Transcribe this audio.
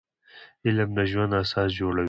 علم د ژوند اساس جوړوي